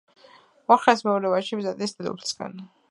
ორჰანის მეორე ვაჟი ბიზანტიის დედოფლისგან.